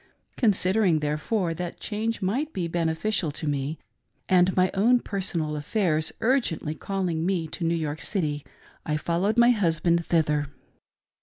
Consider ing, therefore, that change might be beneficial to me, and iny own personal affairs urgently calling me to New York City, I followed my husband thither.